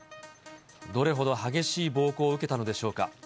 どれほど激しい暴行を受けたのでしょうか。